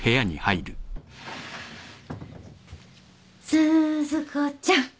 鈴子ちゃん。